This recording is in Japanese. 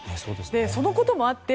そのこともあって